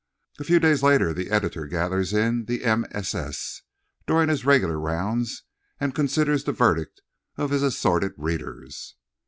A few days later the editor gathers in the MSS. during his regular rounds and considers the verdict of his assorted readers.